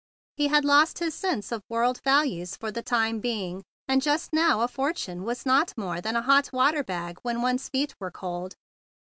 He had lost his sense of world values for the time being, and just now a fortune was no more than a hot water bag when one's feet were cold.